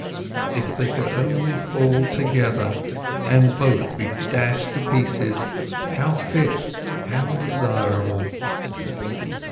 If they could only fall together, and both be dashed to pieces, how fit, how desirable.